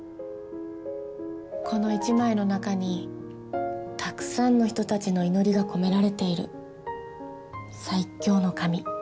この一枚の中にたくさんの人たちの祈りが込められている最強の紙。